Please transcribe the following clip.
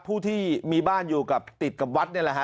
ผู้ที่มีบ้านอยู่กับติดกับวัดนี่แหละฮะ